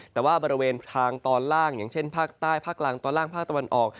แต่ว่าบริเวณทางตอนล่างอย่างเช่นภาคใต้ภาคล่างตอนล่างภาคตะวันออก